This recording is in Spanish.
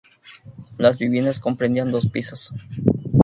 Las viviendas comprendían dos pisos.